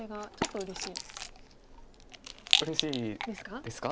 うれしいですか？